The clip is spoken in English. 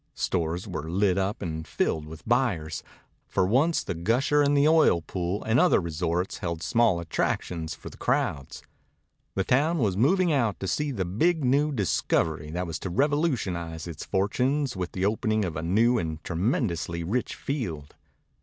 Stores were lit up and filled with buyers. For once the Gusher and the Oil Pool and other resorts held small attraction for the crowds. The town was moving out to see the big new discovery that was to revolutionize its fortunes with the opening of a new and tremendously rich field.